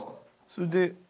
それで。